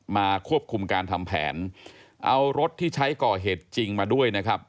มาควบคุมการทำแผนเอารถที่ใช้ก่อเหตุจริงมาด้วยนะครับ